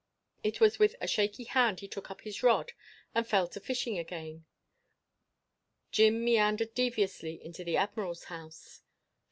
It was with a shaky hand he took up his rod and fell to fishing again. Jim meandered deviously into the Admiral's house.